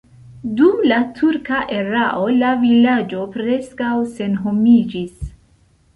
Dum la turka erao la vilaĝo preskaŭ senhomiĝis.